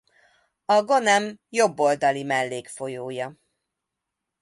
A Gonam jobb oldali mellékfolyója.